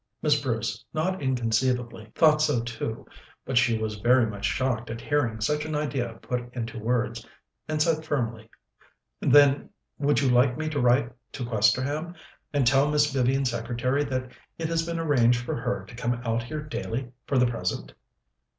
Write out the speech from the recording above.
Miss Bruce, not inconceivably, thought so too, but she was very much shocked at hearing such an idea put into words, and said firmly: "Then, would you like me to write to Questerham and tell Miss Vivian's secretary that it has been arranged for her to come out here daily for the present?"